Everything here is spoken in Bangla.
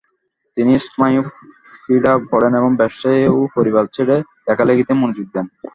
তিনি স্নায়ুপীড়া পড়েন এবং ব্যবসায় ও পরিবার ছেড়ে লেখালেখিতে মনোযোগ দেন।